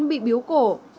bị biếu cổ